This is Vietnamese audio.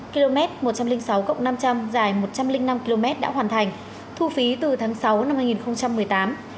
km một trăm linh sáu năm trăm linh dài một trăm linh năm km đã hoàn thành thu phí từ tháng sáu năm hai nghìn một mươi tám